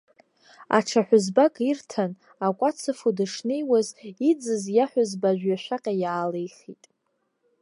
Аҽа ҳәызбак ирҭан, акәац ыфо дышнеиуаз, иӡыз иаҳәызба ажәҩашәаҟьа иаалихит.